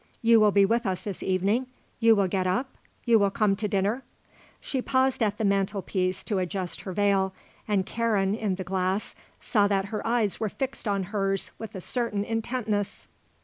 You will be with us this evening? You will get up? You will come to dinner?" She paused at the mantelpiece to adjust her veil, and Karen, in the glass, saw that her eyes were fixed on hers with a certain intentness.